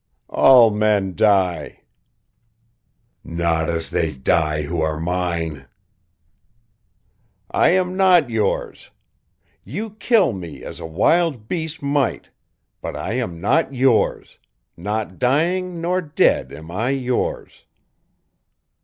"All men die." "Not as they die who are mine." "I am not yours. You kill me, as a wild beast might. But I am not yours; not dying nor dead am I yours."